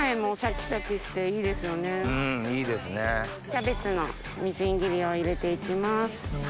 キャベツのみじん切りを入れて行きます。